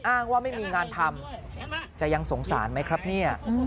อ้างว่าไม่มีงานทำจะยังสงสารไหมครับเนี่ย